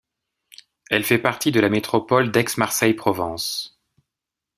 Elle fait partie de la Métropole d'Aix-Marseille-Provence.